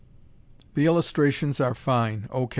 The illustrations are fine (O.